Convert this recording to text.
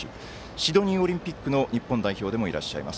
シドニーオリンピックの日本代表でもいらっしゃいます。